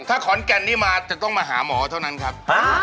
ถ้าขอนแก่นนี่มาจะต้องมาหาหมอเท่านั้นครับ